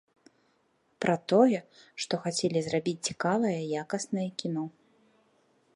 Пра тое, што хацелі зрабіць цікавае якаснае кіно.